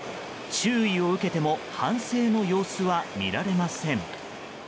注意を受けても反省の様子は見られません。